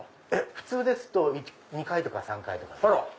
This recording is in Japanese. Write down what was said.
普通ですと２回とか３回とか。